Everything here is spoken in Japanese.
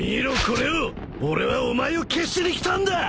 俺はお前を消しに来たんだ！